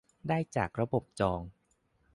ได้จากระบบจอง